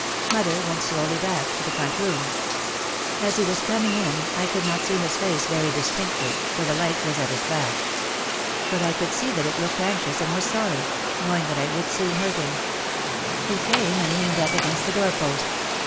Mother went slowly back to the front room. As he was coming in I could not see his face very distinctly for the light was at his back. But I could see that it looked anxious and was sorry, knowing that I would soon hurt him. He came and leaned up against the door post.